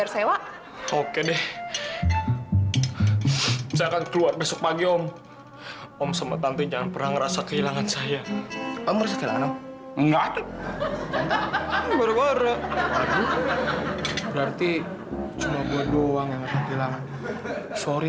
saya sudah kalau moo sama om tuh waktu saya masih perhatian comentarios term yi